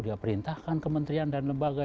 dia perintahkan kementerian dan lembaga